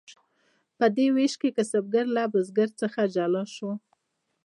په دې ویش کې کسبګر له بزګر څخه جلا شو.